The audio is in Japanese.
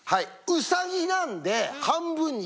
ウサギなんで半分に斬る。